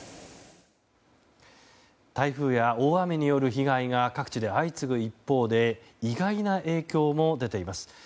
台風や大雨による被害が各地で相次ぐ一方で意外な影響も出ています。